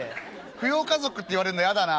扶養家族って言われんの嫌だな」。